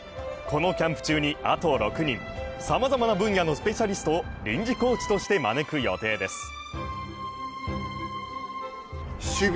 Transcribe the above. このキャンプ中にあと６人、さまざまな分野のスペシャリストを臨時コーチとして招く予定です。